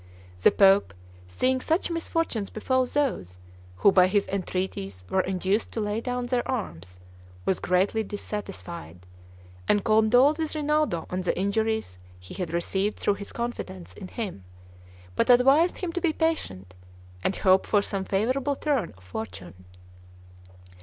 The pope, seeing such misfortunes befall those who by his entreaties were induced to lay down their arms, was greatly dissatisfied, and condoled with Rinaldo on the injuries he had received through his confidence in him, but advised him to be patient, and hope for some favorable turn of fortune.